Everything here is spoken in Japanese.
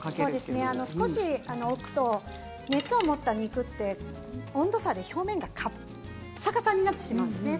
少し置くと熱を持った肉が温度差で表面がカサカサになってしまうんですね。